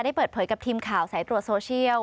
เปิดเผยกับทีมข่าวสายตรวจโซเชียล